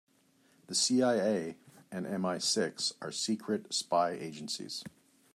The CIA and MI-Six are secret spy agencies.